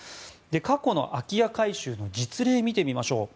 過去の空き家改修の実例を見てみましょう。